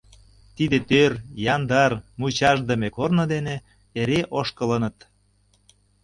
Тиде тӧр, яндар, мучашдыме корно дене эре ошкылыныт.